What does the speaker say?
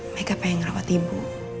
meka pengen ngerawat ibu